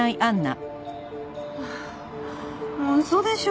もう嘘でしょ？